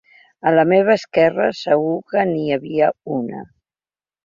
A la meva esquerra, segur que n’hi havia una.